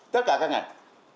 tất cả các ngành